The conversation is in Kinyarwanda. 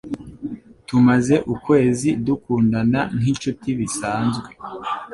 Tumaze ukwezi dukundana nkinshuti bisanzwe.